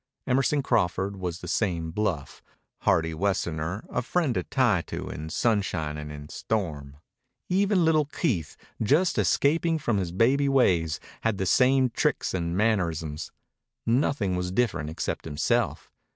Emerson Crawford was the same bluff, hearty Westerner, a friend to tie to in sunshine and in storm. Even little Keith, just escaping from his baby ways, had the same tricks and mannerisms. Nothing was different except himself.